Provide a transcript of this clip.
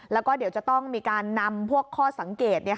แล้วก็เดี๋ยวจะต้องมีการนำพวกข้อสังเกต